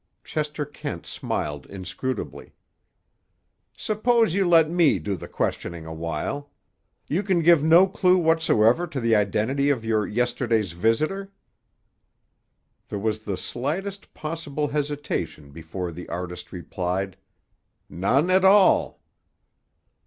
Chester Kent smiled inscrutably. "Suppose you let me do the questioning a while. You can give no clue whatsoever to the identity of your yesterday's visitor?" There was the slightest possible hesitation before the artist replied, "None at all."